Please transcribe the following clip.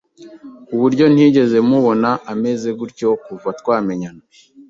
kuburyo ntigeze mubona ameze gutyo kuva twamenyana.